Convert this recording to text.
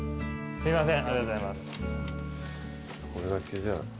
すいません。